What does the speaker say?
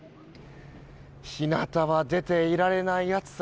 日なたは出ていられない暑さ。